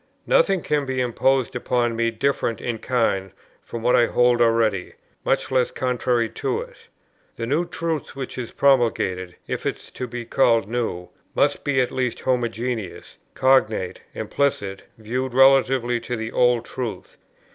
Nothing can be imposed upon me different in kind from what I hold already, much less contrary to it. The new truth which is promulgated, if it is to be called new, must be at least homogeneous, cognate, implicit, viewed relatively to the old truth.